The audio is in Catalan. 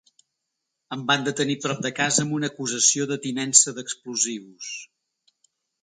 Em van detenir prop de casa amb una acusació de tinença d’explosius.